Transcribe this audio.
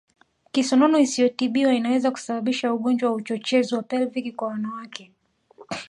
Kisonono isiyotibiwa inaweza kusababisha ugonjwa wa uchochezi wa Pelvic kwa wanawake